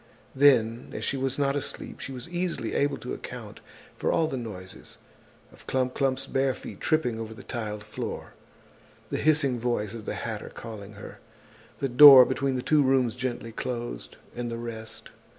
Then, as she was not asleep, she was easily able to account for all the noises, of Clump clump's bare feet tripping over the tiled floor, the hissing voice of the hatter calling her, the door between the two rooms gently closed, and the rest.